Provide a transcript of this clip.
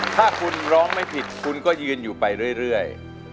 ถ้าคุณร้องไม่ผิดคุณก็ยืนอยู่ไปเรื่อย